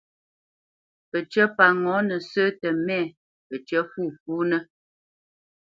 Pəcyə́ pa ŋɔ̌nə sə́ tə mɛ̂, pəcyə́ fûfúnə́.